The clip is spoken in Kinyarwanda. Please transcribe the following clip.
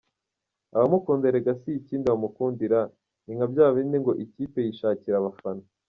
Abamukunda erega si ikindi bamukundira, ni nka byabindi ngo ikipe yishakira abafana.